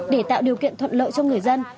để tạo điều kiện thuận lợi cho người dân